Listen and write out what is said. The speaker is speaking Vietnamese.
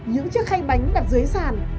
những chiếc khay bánh đặt dưới sàn